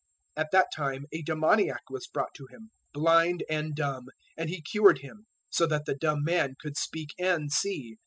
012:022 At that time a demoniac was brought to Him, blind and dumb; and He cured him, so that the dumb man could speak and see.